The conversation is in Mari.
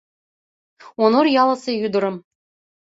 Онор ялысе ӱдырым...